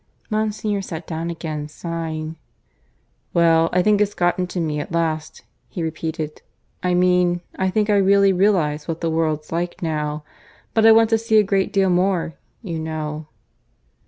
Monsignor sat down again, sighing. "Well, I think it's got into me at last," he repeated. "I mean, I think I really realize what the world's like now. But I want to see a great deal more, you know."